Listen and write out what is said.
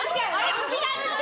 違うって！